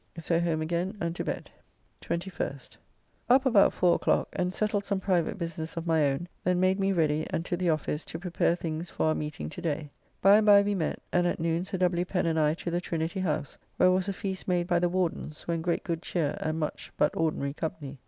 So home again and to bed. 21st. Up about four o'clock, and settled some private business of my own, then made me ready and to the office to prepare things for our meeting to day. By and by we met, and at noon Sir W. Pen and I to the Trinity House; where was a feast made by the Wardens, when great good cheer, and much, but ordinary company.